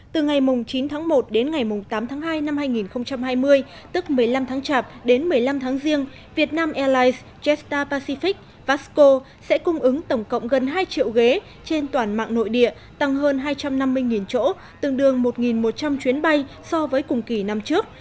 từ ngày chín tháng một đến ngày tám tháng hai năm hai nghìn hai mươi tức một mươi năm tháng chạp đến một mươi năm tháng riêng vietnam airlines jetstar pacific vasco sẽ cung ứng tổng cộng gần hai triệu ghế trên toàn mạng nội địa tăng hơn hai trăm năm mươi chỗ tương đương một một trăm linh chuyến bay so với cùng kỳ năm trước